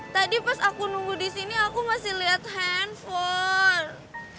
tadi pas aku nunggu di sini aku masih lihat handphone